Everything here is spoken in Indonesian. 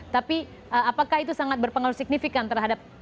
tapi apakah itu sangat berpengaruh signifikan terhadap